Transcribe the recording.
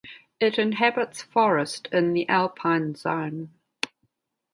It inhabits forest in the alpine zone.